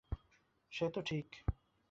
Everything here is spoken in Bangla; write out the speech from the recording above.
সে তো ঠিক।